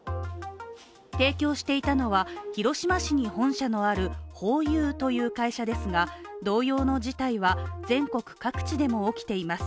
提供していたのは、広島市に本社のあるホーユーという会社ですが同様の事態は全国各地でも起きています。